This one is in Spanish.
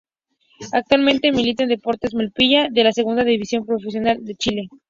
Actualmente milita en Deportes Melipilla de la Segunda División Profesional de Chile.